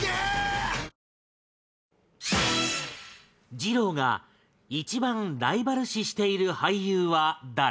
二朗が一番ライバル視している俳優は誰？